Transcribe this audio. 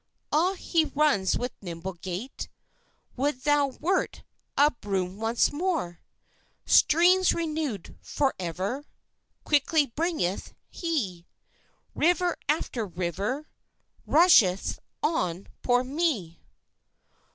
Ah, he runs with nimble gait! Would thou wert a broom once more! Streams renew'd forever Quickly bringeth he; River after river Rusheth on poor me!